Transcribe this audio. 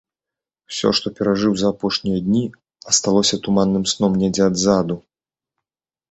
Усё, што перажыў за апошнія дні, асталося туманным сном недзе адзаду.